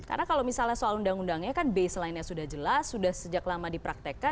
karena kalau misalnya soal undang undangnya kan baseline nya sudah jelas sudah sejak lama dipraktekkan